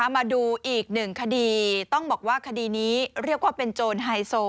มาดูอีกหนึ่งคดีต้องบอกว่าคดีนี้เรียกว่าเป็นโจรไฮโซ